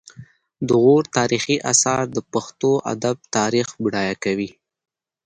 د غور تاریخي اثار د پښتو ادب تاریخ بډایه کوي